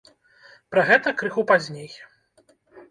Пра гэта крыху пазней.